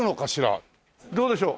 どうでしょう？